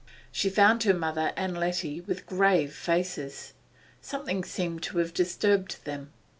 She found her mother and Letty with grave faces; something seemed to have disturbed them.